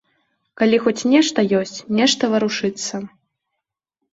Калі хоць нешта ёсць, нешта варушыцца.